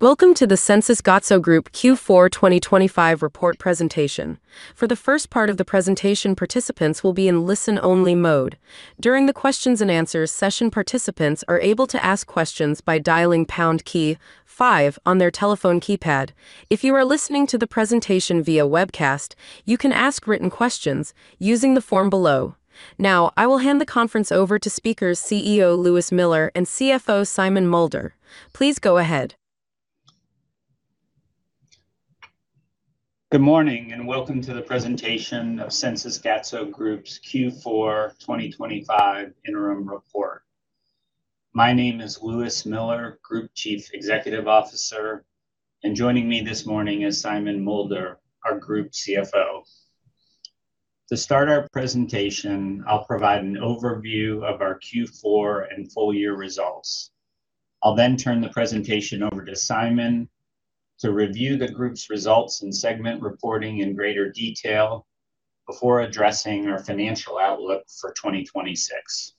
Welcome to the Sensys Gatso Group Q4 2025 report presentation. For the first part of the presentation, participants will be in listen-only mode. During the questions and answers session, participants are able to ask questions by dialing pound key five on their telephone keypad. If you are listening to the presentation via webcast, you can ask written questions using the form below. Now, I will hand the conference over to speakers CEO Lewis Miller and CFO Simon Mulder. Please go ahead. Good morning, and welcome to the presentation of Sensys Gatso Group's Q4 2025 interim report. My name is Lewis Miller, Group Chief Executive Officer, and joining me this morning is Simon Mulder, our Group CFO. To start our presentation, I'll provide an overview of our Q4 and full year results. I'll then turn the presentation over to Simon to review the group's results and segment reporting in greater detail before addressing our financial outlook for 2026.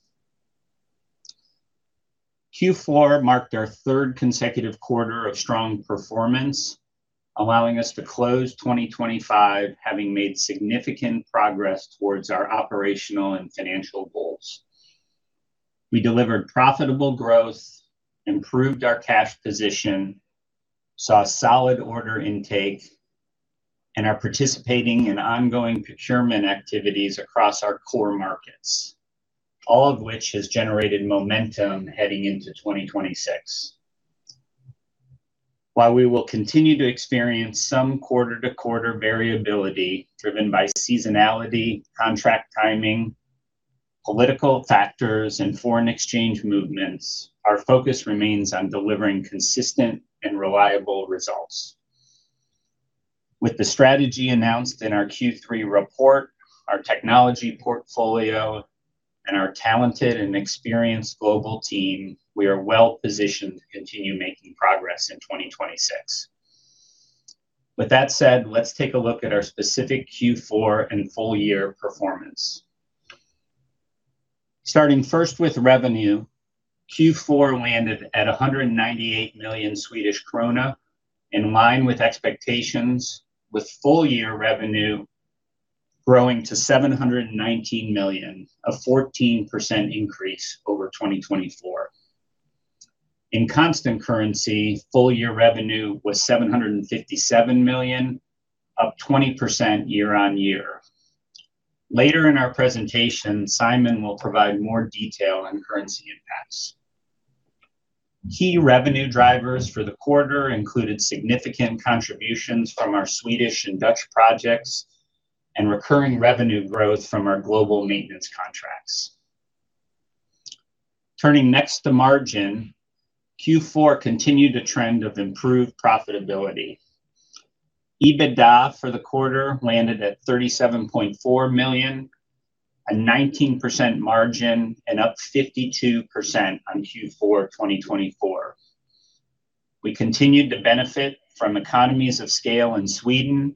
Q4 marked our third consecutive quarter of strong performance, allowing us to close 2025, having made significant progress towards our operational and financial goals. We delivered profitable growth, improved our cash position, saw solid order intake, and are participating in ongoing procurement activities across our core markets, all of which has generated momentum heading into 2026. While we will continue to experience some quarter-to-quarter variability driven by seasonality, contract timing, political factors, and foreign exchange movements, our focus remains on delivering consistent and reliable results. With the strategy announced in our Q3 report, our technology portfolio, and our talented and experienced global team, we are well-positioned to continue making progress in 2026. With that said, let's take a look at our specific Q4 and full year performance. Starting first with revenue, Q4 landed at 198 million Swedish krona, in line with expectations, with full year revenue growing to 719 million, a 14% increase over 2024. In constant currency, full year revenue was 757 million, up 20% year-on-year. Later in our presentation, Simon will provide more detail on currency impacts. Key revenue drivers for the quarter included significant contributions from our Swedish and Dutch projects and recurring revenue growth from our global maintenance contracts. Turning next to margin, Q4 continued a trend of improved profitability. EBITDA for the quarter landed at 37.4 million, a 19% margin and up 52% on Q4 2024. We continued to benefit from economies of scale in Sweden,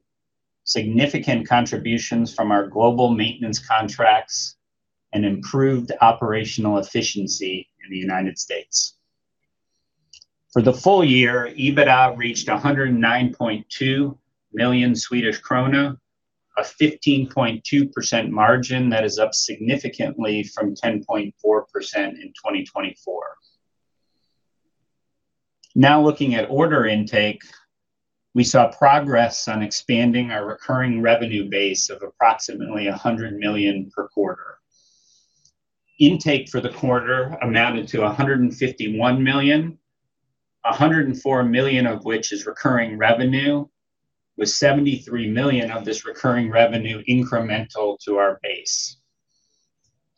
significant contributions from our global maintenance contracts, and improved operational efficiency in the United States. For the full year, EBITDA reached 109.2 million Swedish krona, a 15.2% margin that is up significantly from 10.4% in 2024. Looking at order intake, we saw progress on expanding our recurring revenue base of approximately 100 million per quarter. Intake for the quarter amounted to 151 million, 104 million of which is recurring revenue, with 73 million of this recurring revenue incremental to our base.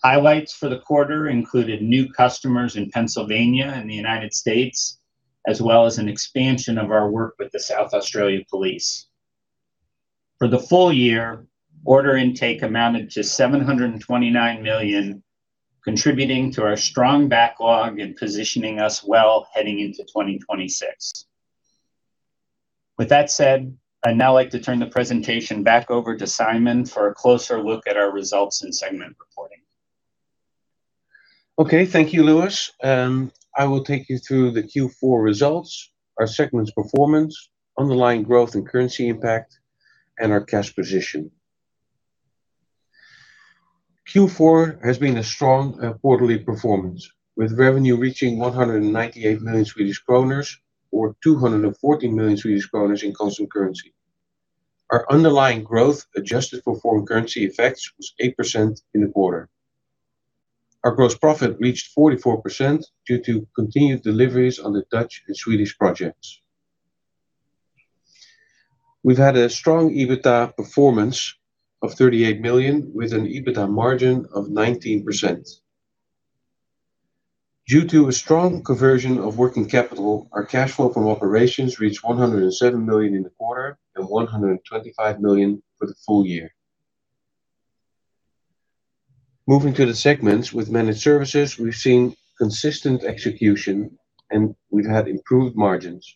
Highlights for the quarter included new customers in Pennsylvania and the United States, as well as an expansion of our work with the South Australia Police. For the full year, order intake amounted to 729 million, contributing to our strong backlog and positioning us well heading into 2026. With that said, I'd now like to turn the presentation back over to Simon for a closer look at our results and segment reporting. Okay, thank you, Lewis. I will take you through the Q4 results, our segments performance, underlying growth and currency impact, and our cash position. Q4 has been a strong quarterly performance, with revenue reaching 198 million Swedish kronor or 214 million Swedish kronor in constant currency. Our underlying growth, adjusted for foreign currency effects, was 8% in the quarter. Our gross profit reached 44% due to continued deliveries on the Dutch and Swedish projects. We've had a strong EBITDA performance of 38 million, with an EBITDA margin of 19%. Due to a strong conversion of working capital, our cash flow from operations reached 107 million in the quarter and 125 million for the full year. Moving to the segments, with Managed Services, we've seen consistent execution, and we've had improved margins.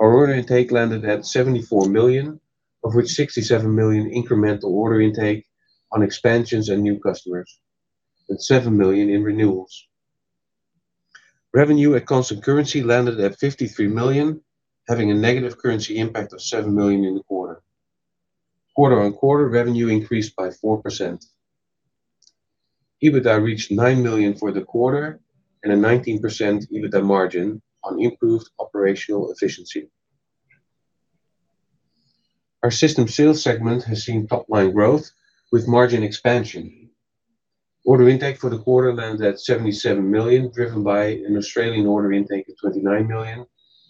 Our order intake landed at 74 million, of which 67 million incremental order intake on expansions and new customers, and 7 million in renewals. Revenue at constant currency landed at 53 million, having a negative currency impact of 7 million in the quarter. Quarter-on-quarter, revenue increased by 4%. EBITDA reached 9 million for the quarter and a 19% EBITDA margin on improved operational efficiency. Our system sales segment has seen top-line growth with margin expansion. Order intake for the quarter landed at 77 million, driven by an Australian order intake of 29 million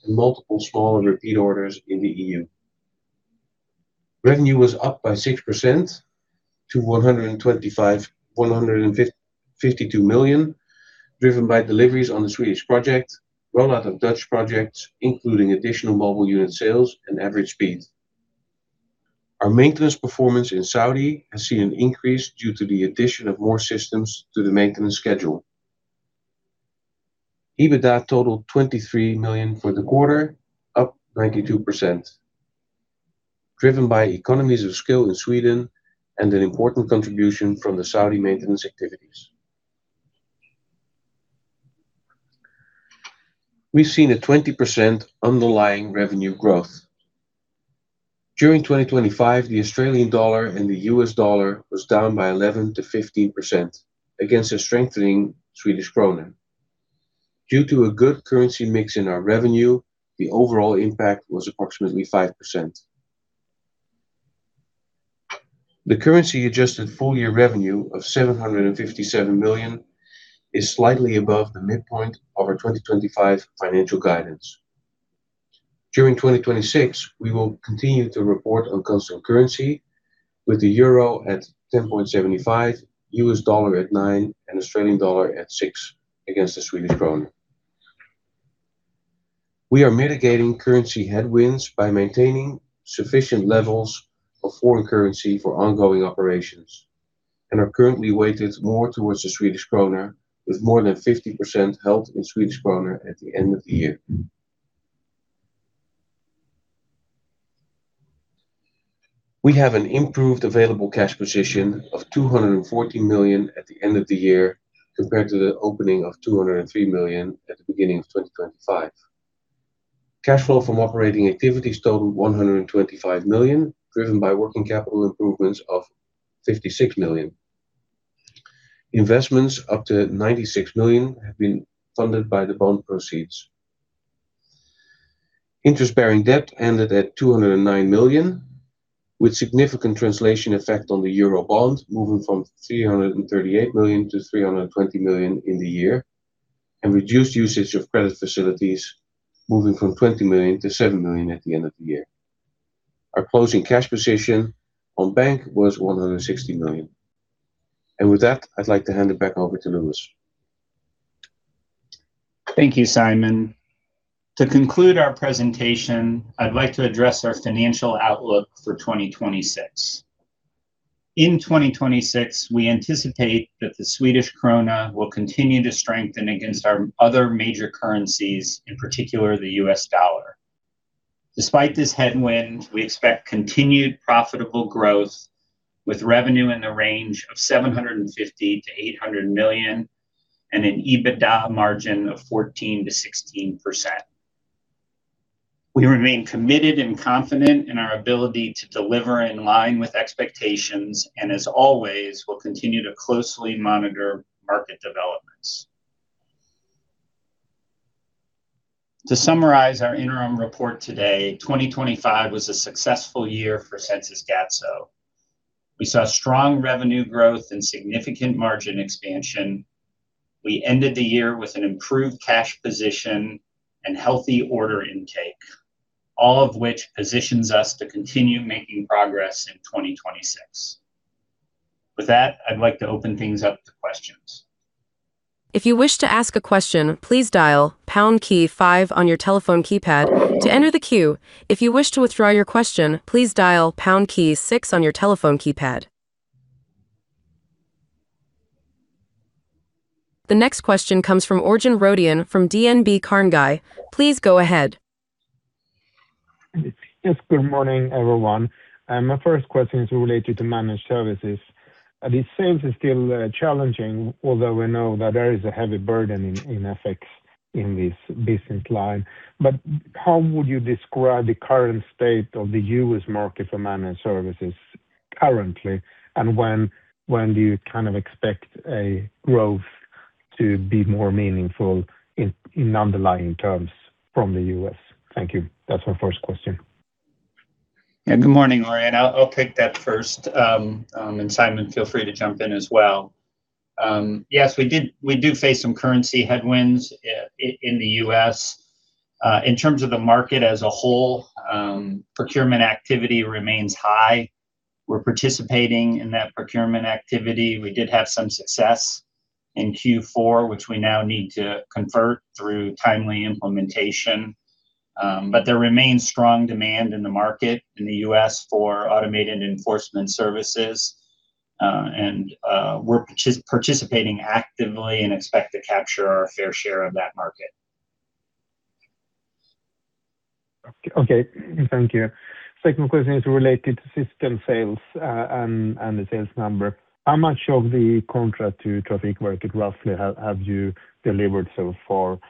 and multiple smaller repeat orders in the EU Revenue was up by 6% to 152 million, driven by deliveries on the Swedish project, rollout of Dutch projects, including additional mobile unit sales and average speed. Our maintenance performance in Saudi has seen an increase due to the addition of more systems to the maintenance schedule. EBITDA totaled 23 million for the quarter, up 92%, driven by economies of scale in Sweden and an important contribution from the Saudi maintenance activities. We've seen a 20% underlying revenue growth. During 2025, the Australian dollar and the U.S. dollar was down by 11%-15% against a strengthening Swedish Krona. Due to a good currency mix in our revenue, the overall impact was approximately 5%. The currency-adjusted full year revenue of 757 million is slightly above the midpoint of our 2025 financial guidance. During 2026, we will continue to report on constant currency with the euro at 10.75, U.S. dollar at 9, and Australian dollar at 6 against the Swedish Krona. We are mitigating currency headwinds by maintaining sufficient levels of foreign currency for ongoing operations, and are currently weighted more towards the Swedish Krona, with more than 50% held in Swedish Krona at the end of the year. We have an improved available cash position of 240 million at the end of the year, compared to the opening of 203 million at the beginning of 2025. Cash flow from operating activities totaled 125 million, driven by working capital improvements of 56 million. Investments up to 96 million have been funded by the bond proceeds. Interest-bearing debt ended at 209 million, with significant translation effect on the euro bond, moving from 338 million to 320 million in the year, and reduced usage of credit facilities, moving from 20 million to 7 million at the end of the year. Our closing cash position on bank was 160 million. With that, I'd like to hand it back over to Lewis. Thank you, Simon. To conclude our presentation, I'd like to address our financial outlook for 2026. In 2026, we anticipate that the Swedish Krona will continue to strengthen against our other major currencies, in particular, the U.S. dollar. Despite this headwind, we expect continued profitable growth with revenue in the range of 750 million-800 million and an EBITDA margin of 14%-16%. We remain committed and confident in our ability to deliver in line with expectations, as always, we'll continue to closely monitor market developments. To summarize our interim report today, 2025 was a successful year for Sensys Gatso. We saw strong revenue growth and significant margin expansion. We ended the year with an improved cash position and healthy order intake, all of which positions us to continue making progress in 2026. With that, I'd like to open things up to questions. If you wish to ask a question, please dial pound key five on your telephone keypad to enter the queue. If you wish to withdraw your question, please dial pound key six on your telephone keypad. The next question comes from Ørjan Rödén from DNB Carnegie. Please go ahead. Yes, good morning, everyone. My first question is related to managed services. It seems it's still challenging, although we know that there is a heavy burden in FX in this business line. How would you describe the current state of the U.S. market for managed services currently, and when do you kind of expect a growth to be more meaningful in underlying terms from the U.S.? Thank you. That's my first question. Good morning, Ørjan Rödén. I'll take that first. Simon Mulder, feel free to jump in as well. Yes, we do face some currency headwinds in the U.S. In terms of the market as a whole, procurement activity remains high. We're participating in that procurement activity. We did have some success in Q4, which we now need to convert through timely implementation. There remains strong demand in the market in the U.S. for automated enforcement services, and we're participating actively and expect to capture our fair share of that market. Okay, thank you. Second question is related to system sales, and the sales number. How much of the contract to Trafikverket roughly have you delivered so far?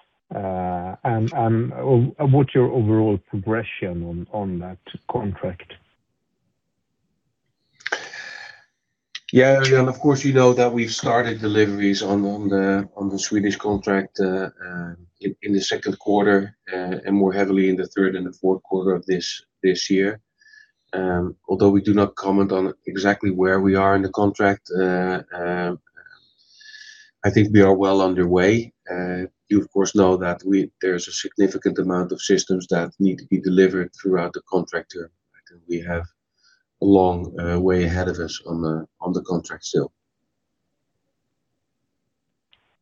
What's your overall progression on that contract? Of course, you know that we've started deliveries on the Swedish contract, in the second quarter, and more heavily in the third and the fourth quarter of this year. Although we do not comment on exactly where we are in the contract, I think we are well underway. You of course know that there's a significant amount of systems that need to be delivered throughout the contract term, and we have a long way ahead of us on the contract still.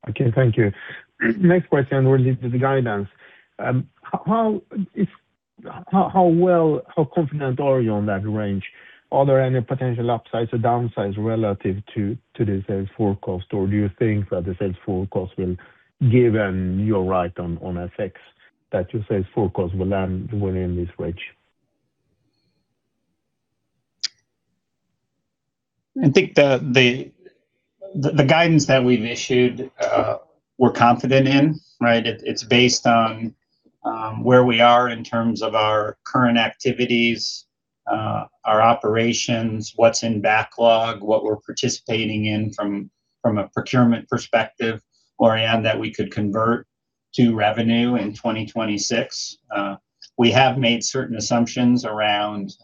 Okay, thank you. Next question relates to the guidance. How confident are you on that range? Are there any potential upsides or downsides relative to the sales forecast, or do you think that the sales forecast will give an year right on effects, that your sales forecast will land within this range? I think the guidance that we've issued, we're confident in, right? It's based on where we are in terms of our current activities, our operations, what's in backlog, what we're participating in from a procurement perspective, or/and that we could convert to revenue in 2026. We have made certain assumptions around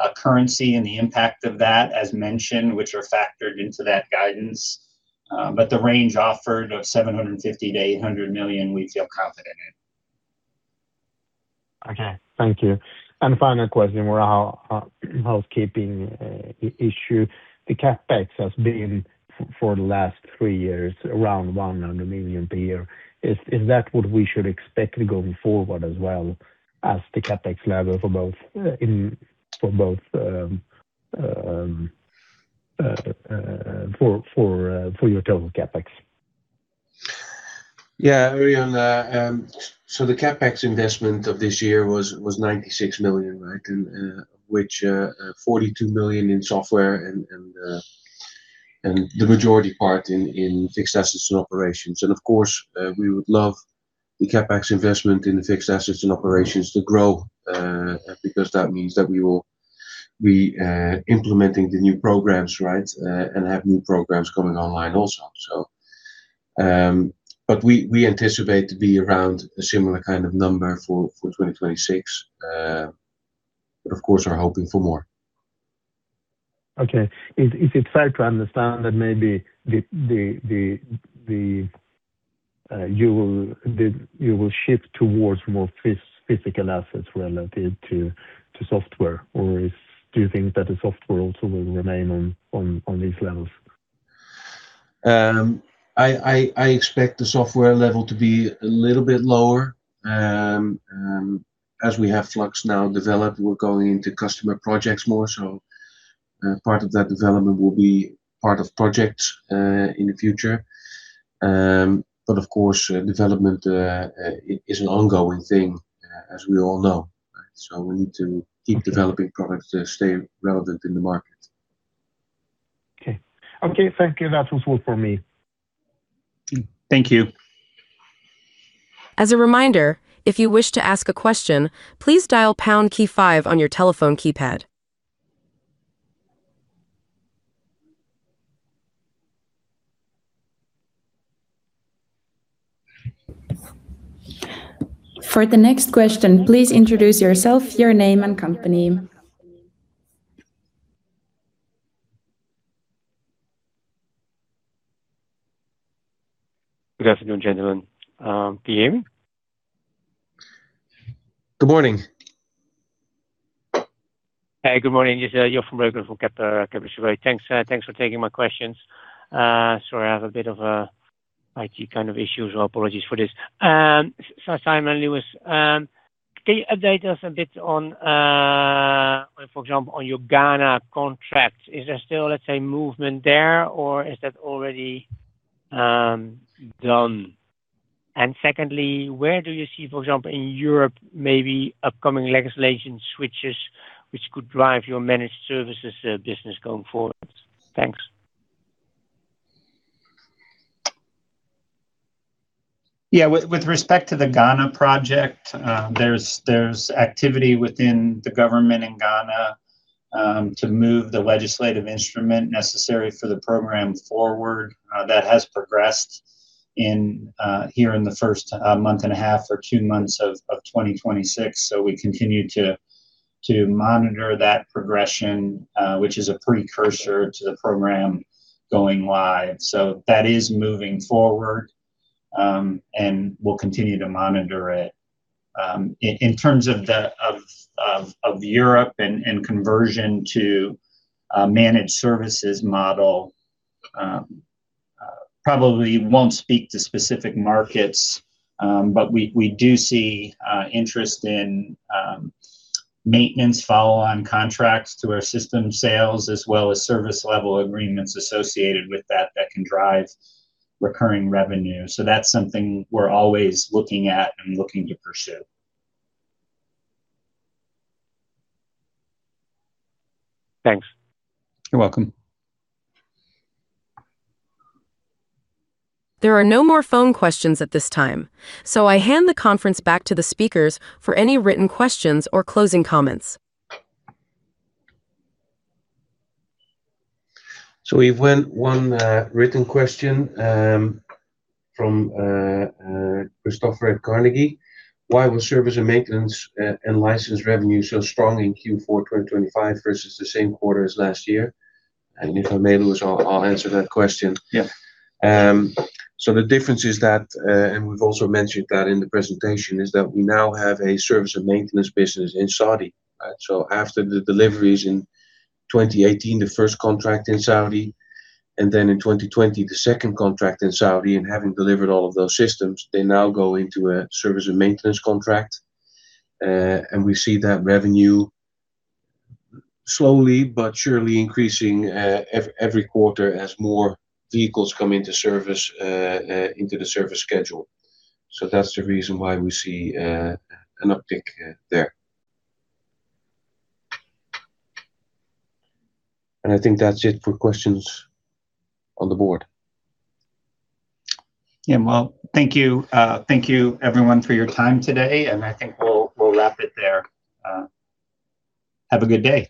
a currency and the impact of that as mentioned, which are factored into that guidance. The range offered of 750 million-800 million, we feel confident in. Okay, thank you. Final question where our housekeeping issue, the CapEx has been for the last three years, around 100 million per year. Is that what we should expect going forward as well as the CapEx level for both in for both for your total CapEx? Yeah, Ørjan Rödén, the CapEx investment of this year was 96 million, right? Which, 42 million in software and the majority part in fixed assets and operations. Of course, we would love the CapEx investment in the fixed assets and operations to grow, because that means that we will be implementing the new programs, right? Have new programs coming online also. We anticipate to be around a similar kind of number for 2026, but of course, we're hoping for more. Okay. Is it fair to understand that maybe the you will shift towards more physical assets related to software? Or do you think that the software also will remain on these levels? I expect the software level to be a little bit lower. As we have FLUX now developed, we're going into customer projects more so, part of that development will be part of projects in the future. Of course, development is an ongoing thing, as we all know, right? We need to keep developing products to stay relevant in the market. Okay. Okay, thank you. That's all for me. Thank you. As a reminder, if you wish to ask a question, please dial pound key five on your telephone keypad. For the next question, please introduce yourself, your name, and company. Good afternoon, gentlemen. PM. Good morning. Hey, good morning. It's Johan Sjöberg, from Kepler Cheuvreux. Thanks, thanks for taking my questions. Sorry, I have a bit of IT kind of issues, so apologies for this. So Simon and Lewis, can you update us a bit on, for example, on your Ghana contract? Is there still, let's say, movement there, or is that already done? Secondly, where do you see, for example, in Europe, maybe upcoming legislation switches, which could drive your Managed Services business going forward? Thanks. With respect to the Ghana project, there's activity within the government in Ghana, to move the legislative instrument necessary for the program forward. That has progressed in, here in the first, month and a half or two months of 2026. We continue to monitor that progression, which is a precursor to the program going wide. That is moving forward, and we'll continue to monitor it. In terms of Europe and conversion to a Managed Services model, probably won't speak to specific markets, but we do see interest in maintenance follow-on contracts to our system sales, as well as service level agreements associated with that can drive recurring revenue. That's something we're always looking at and looking to pursue. Thanks. You're welcome. There are no more phone questions at this time, so I hand the conference back to the speakers for any written questions or closing comments. We've one written question from Christopher at Carnegie: Why was service and maintenance and license revenue so strong in Q4 2025 versus the same quarter as last year? If I may, Lewis, I'll answer that question. Yeah. The difference is that, and we've also mentioned that in the presentation, is that we now have a service and maintenance business in Saudi, right? After the deliveries in 2018, the first contract in Saudi, and then in 2020, the second contract in Saudi, and having delivered all of those systems, they now go into a service and maintenance contract. We see that revenue slowly but surely increasing every quarter as more vehicles come into service into the service schedule. That's the reason why we see an uptick there. I think that's it for questions on the board. Yeah. Well, thank you. Thank you everyone for your time today. I think we'll wrap it there. Have a good day!